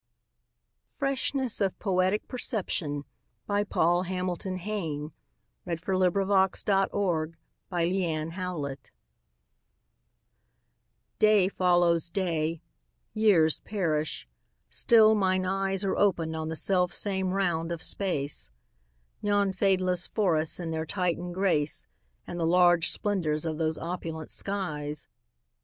Freshness of Poetic Perception Paul Hamilton Hayne (1830–1886) DAY follows day; years perish; still mine eyesAre opened on the self same round of space; Yon fadeless forests in their Titan grace, And the large splendors of those opulent skies.